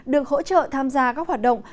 được hỗ trợ tham gia các hoạt động